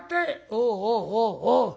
「おうおうおうおう。